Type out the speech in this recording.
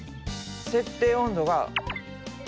設定温度が。